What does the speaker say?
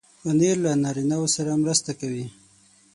پنېر له نارینو سره مرسته کوي.